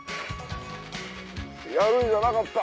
やるんじゃなかった。